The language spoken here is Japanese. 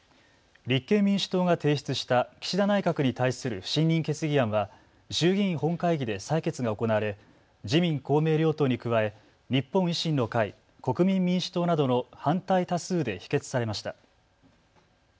立憲民主党が提出した岸田内閣に対する不信任決議案は衆議院本会議で採決が行われ自民公明両党に加え日本維新の会、国民民主党などの反対多数で否決されました。